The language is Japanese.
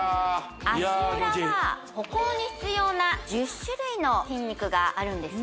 足裏は歩行に必要な１０種類の筋肉があるんですよ